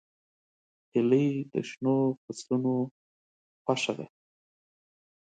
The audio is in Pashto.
هیلۍ د شنو فصلونو خوښه ده